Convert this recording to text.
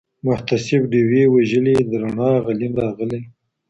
محتسب ډېوې وژلي د رڼا غلیم راغلی